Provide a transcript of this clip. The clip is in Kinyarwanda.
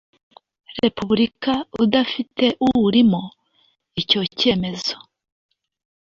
repubulika udafite uwurimo icyo cyemezo